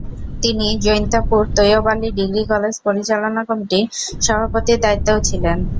তিনি Jaintapur Taiyab Ali degree college পরিচালনা কমিটির সভাপতির দায়িত্বেও ছিলেন।